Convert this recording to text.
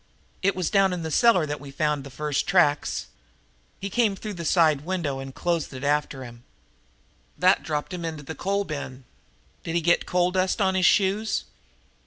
"It was down in the cellar that we found the first tracks. He came in through the side window and closed it after him." "That dropped him into the coal bin. Did he get coal dust on his shoes?"